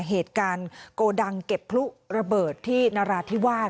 เหตุการณ์โกดังเก็บพลุระเบิดที่นราธิวาส